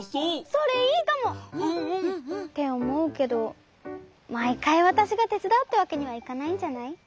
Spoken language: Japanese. それいいかも。っておもうけどまいかいわたしがてつだうってわけにはいかないんじゃない？